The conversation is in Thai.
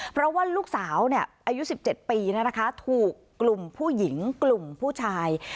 เพราะว่าลูกสาวอายุ๑๗ปีถูกกลุ่มผู้หญิงกลุ่มผู้ชาย